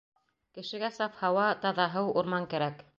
— Кешегә саф һауа, таҙа һыу, урман кәрәк.